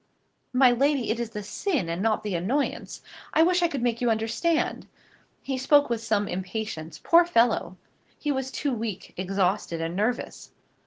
"My lady, it is the sin, and not the annoyance. I wish I could make you understand." He spoke with some impatience; Poor fellow! he was too weak, exhausted, and nervous.